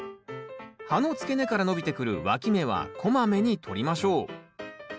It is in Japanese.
葉の付け根から伸びてくるわき芽はこまめに取りましょう。